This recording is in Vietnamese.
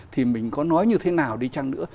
thì mình có nói như thế nào đi chăng nữa